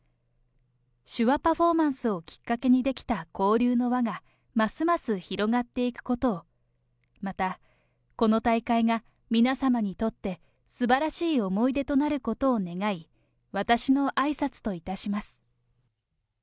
手話パフォーマンスをきっかけにできた交流の輪が、ますます広がっていくことを、またこの大会が皆様にとって、すばらしい思い出となることを願い、私のあいさつといたします。